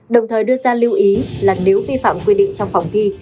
đồng thời đưa ra lưu ý là nếu vi phạm quy định trong phòng thi